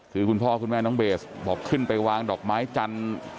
คือคุณพ่อคุณแม่น้องเบสบอกขึ้นไปวางดอกไม้จันทร์